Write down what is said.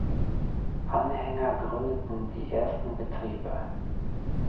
Anhänger gründeten die ersten Betriebe.